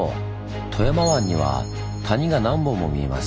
富山湾には谷が何本も見えます。